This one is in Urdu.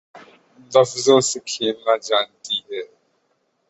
لفظوں سے کھیلنا جانتی ہے